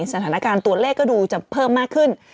สถานการณ์ตัวเลขก็ดูจะเพิ่มมากขึ้น